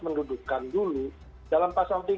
mendudukkan dulu dalam pasal